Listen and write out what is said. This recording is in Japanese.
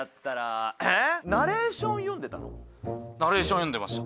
ナレーション読んでました。